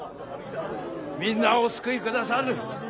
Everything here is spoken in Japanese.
みんなお救いくださる！